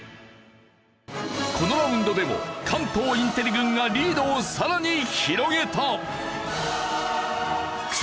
このラウンドでも関東インテリ軍がリードをさらに広げた！